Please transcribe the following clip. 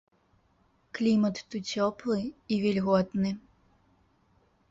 Клімат тут цёплы і вільготны.